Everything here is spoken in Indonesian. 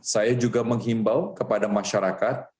saya juga menghimbau kepada masyarakat